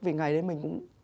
vì ngày đấy mình cũng